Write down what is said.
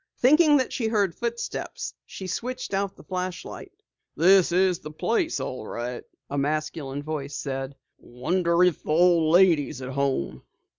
Thinking that she heard footsteps, she switched out the flashlight. "This is the place all right," a masculine voice said. "Wonder if the old lady is at home?"